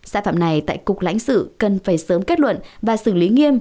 sản phẩm này tại cục lãnh sự cần phải sớm kết luận và xử lý nghiêm